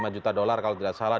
lima juta dolar kalau tidak salah